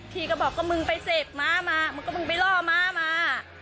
พี่ก็บอกก็มึงไปเสพม้ามามึงก็มึงไปล่อม้ามา